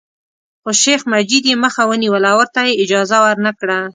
خو شیخ مجید یې مخه ونیوله او ورته یې اجازه ورنکړه.